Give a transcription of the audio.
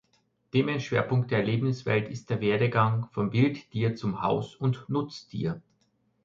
Themenschwerpunkt der Erlebniswelt ist der Werdegang vom Wildtier zum Haus- und Nutztier.